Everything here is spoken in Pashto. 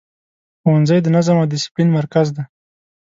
ښوونځی د نظم او دسپلین مرکز دی.